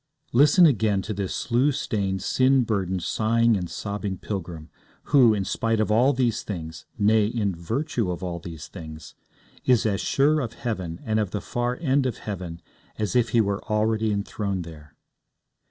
Listen again to this slough stained, sin burdened, sighing and sobbing pilgrim, who, in spite of all these things nay, in virtue of all these things is as sure of heaven and of the far end of heaven as if he were already enthroned there.